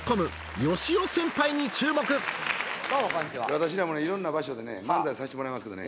私らもねいろんな場所でね漫才さしてもらいますけどね